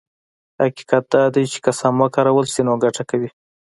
حقيقت دا دی چې که سم وکارول شي نو ګټه کوي.